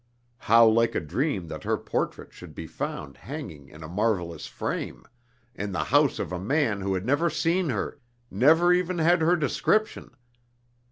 How like a dream that her portrait should be found hanging in a marvelous frame, in the house of a man who had never seen her, never even had her description!